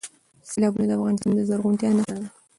سیلابونه د افغانستان د زرغونتیا نښه ده.